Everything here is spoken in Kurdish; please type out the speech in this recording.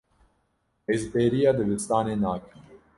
Ez bêriya dibistanê nakim.